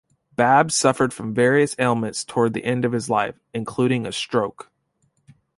Babb suffered from various ailments toward the end of his life, including a stroke.